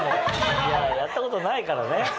いややったことないからね。